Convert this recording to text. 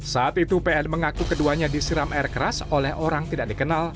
saat itu pl mengaku keduanya disiram air keras oleh orang tidak dikenal